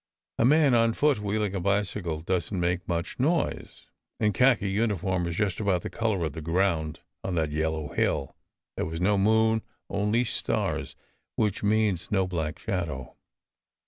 A man on foot wheeling a bicycle doesn t make much noise; and a khaki uniform is just about the colour of the ground, on that yellow hill. There was no moon, only stars, which means no black shadow.